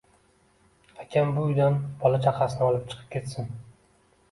Akam bu uydan bola-chaqasini olib chiqib ketsin